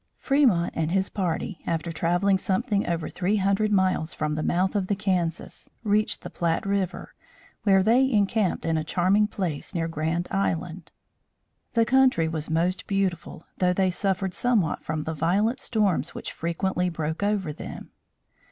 Fremont and his party, after traveling something over three hundred miles from the mouth of the Kansas reached the Platte river, where they encamped in a charming place near Grand Island. The country was most beautiful, though they suffered somewhat from the violent storms which frequently broke over them.